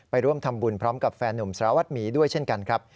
ร่วมทำบุญพร้อมกับแฟนหนุ่มสารวัตรหมีด้วยเช่นกันครับ